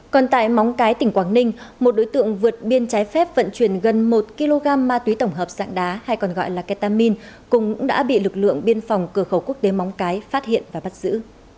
còn tại móng cái tỉnh quảng ninh một đối tượng vượt biên trái phép vận chuyển gần một kg ma túy tổng hợp dạng đá hay còn gọi là ketamin cũng đã bị lực lượng biên phòng cửa khẩu quốc tế móng cái phát hiện và bắt giữ